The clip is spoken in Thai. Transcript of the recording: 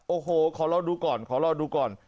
โอ้โหขอรอดูก่อนขอรอดูก่อน